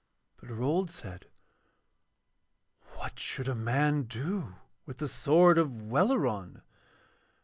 But Rold said: 'What should a man do with the sword of Welleran?'